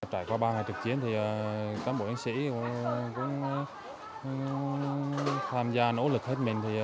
trải qua ba ngày trực chiến cán bộ chiến sĩ cũng tham gia nỗ lực hết mình